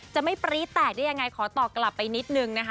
จะไม่ปรี๊ดแตกได้ยังไงขอตอบกลับไปนิดนึงนะคะ